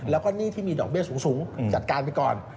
แล้วก็หนี้ที่มีดอกเบี้ยสูงจัดการไปก่อน